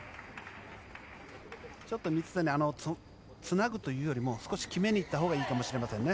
ちょっと水谷つなぐというよりも少し決めに行ったほうがいいかもしれませんね。